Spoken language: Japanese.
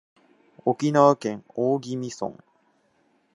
沖縄県大宜味村